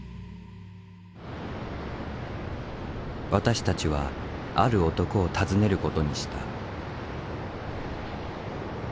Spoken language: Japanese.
私たちはある男を訪ねることにした。